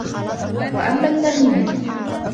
وَأَمَّا النَّمِيمَةُ